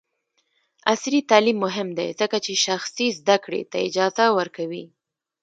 عصري تعلیم مهم دی ځکه چې شخصي زدکړې ته اجازه ورکوي.